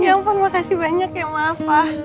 ya ampun makasih banyak ya mama